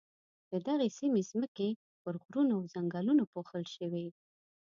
د دغې سیمې ځمکې پر غرونو او ځنګلونو پوښل شوې.